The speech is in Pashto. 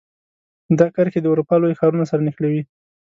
دا کرښې د اروپا لوی ښارونو سره نښلوي.